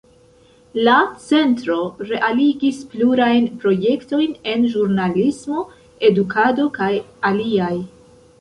La Centro realigis plurajn projektojn en ĵurnalismo, edukado kaj aliaj.